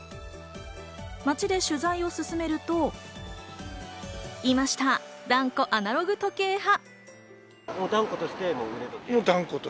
街で取材を進めると、いました、断固アナログ時計派。